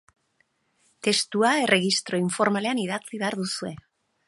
Testua erregistro informalean idatzi behar duzue.